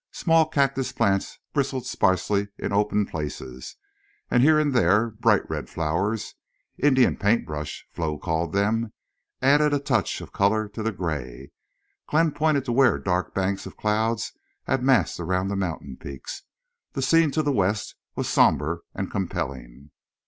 Small cactus plants bristled sparsely in open places; and here and there bright red flowers—Indian paintbrush, Flo called them—added a touch of color to the gray. Glenn pointed to where dark banks of cloud had massed around the mountain peaks. The scene to the west was somber and compelling.